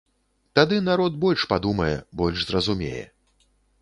Тады народ больш падумае, больш зразумее.